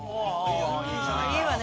いいわね。